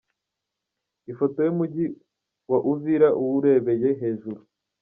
Ifoto y’Umujyi wa Uvira uwurebeye hejuru